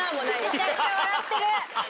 めちゃくちゃ笑ってる。